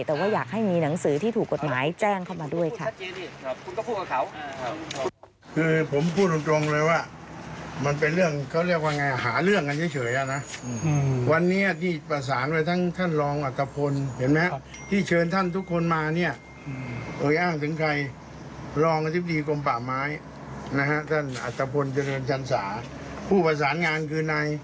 แต่ว่าอยากให้มีหนังสือที่ถูกกฎหมายแจ้งเข้ามาด้วยค่ะ